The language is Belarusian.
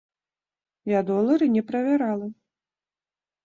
Я долары не правярала.